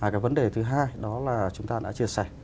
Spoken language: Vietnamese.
cái vấn đề thứ hai đó là chúng ta đã chia sẻ